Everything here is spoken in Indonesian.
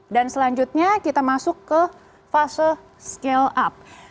dan selanjutnya kita masuk ke fase scale up